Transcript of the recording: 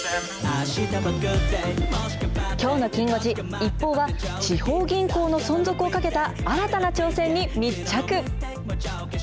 きょうのきん５時、ＩＰＰＯＵは、地方銀行の存続をかけた新たな挑戦に密着。